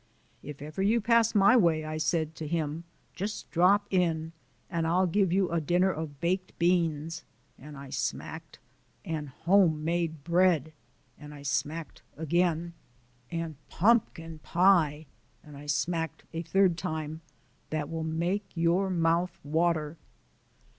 "If ever you pass my way," I said to him, "just drop in and I'll give you a dinner of baked beans" and I smacked "and home made bread" and I smacked again "and pumpkin pie" and I smacked a third time "that will make your mouth water."